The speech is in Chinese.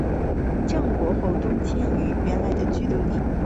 郑国在东迁后原来居于留地。